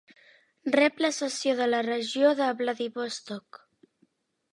Rep la cessió de la regió de Vladivostok.